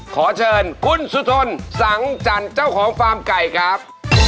ขอเชิญคุณสุทนสังจันทร์เจ้าของฟาร์มไก่ครับ